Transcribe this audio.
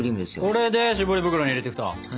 これでしぼり袋に入れていくと！